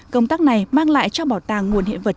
công tác này mang lại cho bảo tàng nguồn hiện vật